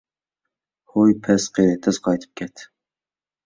ھوي، پەس قېرى، تېز قايتىپ كەت!